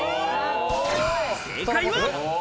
正解は。